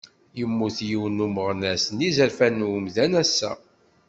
Immut yiwen n umeɣnas n yizerfan n umdan ass-a.